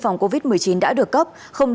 phòng covid một mươi chín đã được cấp